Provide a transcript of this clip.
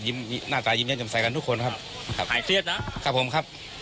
ยิ้มหน้าตายิ้มแย่นจำใสกันทุกคนครับครับหายเครียดนะครับผมครับครับ